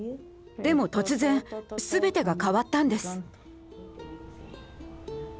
でも突然全てが変わったんです。